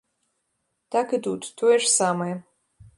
Так і тут, тое ж самае.